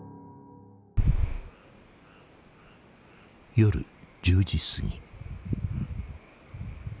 夜１０時過ぎ。